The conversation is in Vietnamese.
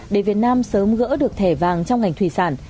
để việt nam sớm gỡ được thẻ vàng trong ngành thủy sản